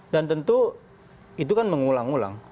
dan tentu itu kan mengulang ulang